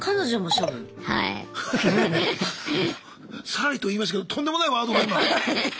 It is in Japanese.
サラリと言いましたけどとんでもないワードが今！